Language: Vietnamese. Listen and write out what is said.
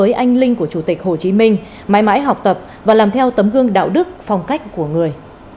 với anh linh của chủ tịch hồ chí minh mãi mãi học tập và làm theo tấm gương đạo đức phong cách của người